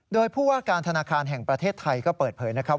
โดยผู้ว่าการธนาคารแห่งประเทศไทยก็เปิดเผยนะครับ